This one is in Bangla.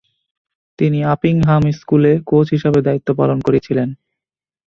তিনি আপিংহাম স্কুলে কোচ হিসেবে দায়িত্ব পালন করেছিলেন।